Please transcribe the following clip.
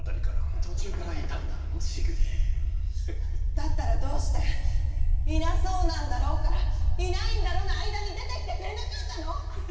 だったらどうして「いなそうなんだろ？」から「いないんだろ？」の間に出てきてくれなかったの？